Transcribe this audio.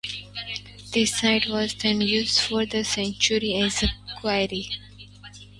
The site was then used for centuries as a quarry.